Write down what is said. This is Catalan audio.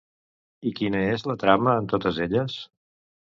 I quina és la trama en totes elles?